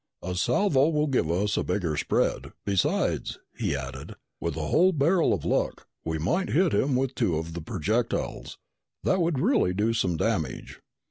A salvo will give us a bigger spread. Besides," he added, "with a whole barrel of luck, we might hit him with two of the projectiles. That would really do some damage."